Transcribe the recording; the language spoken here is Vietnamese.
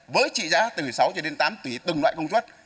với trị giá từ sáu cho đến tám tùy từng loại công suất